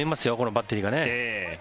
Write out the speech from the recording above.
バッテリーがね。